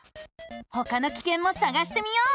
ほかのキケンもさがしてみよう！